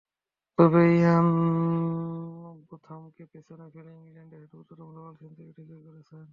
তবে ইয়ান বোথামকে পেছনে ফেলে ইংল্যান্ডের হয়ে দ্রুততম ডাবল সেঞ্চুরি ঠিকই করেছেন।